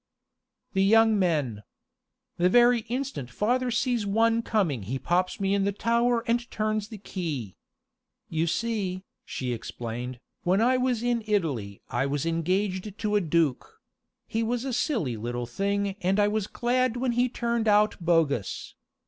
"The young men. The very instant father sees one coming he pops me in the tower and turns the key. You see," she explained, "when I was in Italy I was engaged to a duke he was a silly little thing and I was glad when he turned out bogus.